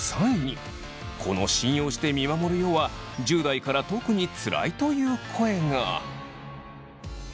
この「信用して見守るよ」は１０代から特につらいという声が。